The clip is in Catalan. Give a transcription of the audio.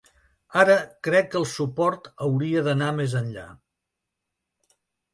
Ara, crec que el suport hauria d’anar més enllà.